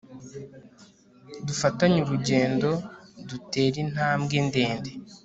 dufatanye urugendo dutere intambwe ndende